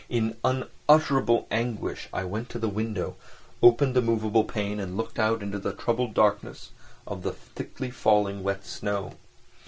In unutterable anguish I went to the window, opened the movable pane and looked out into the troubled darkness of the thickly falling wet snow.